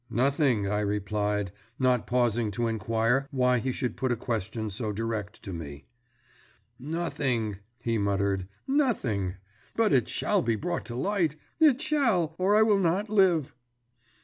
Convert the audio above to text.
"Nothing," I replied, not pausing to inquire why he should put a question so direct to me. "Nothing!" he muttered. "Nothing! But it shall be brought to light it shall, or I will not live!"